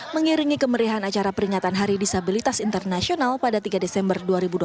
mengiringi kemerihan acara peringatan hari disabilitas internasional pada tiga desember dua ribu dua puluh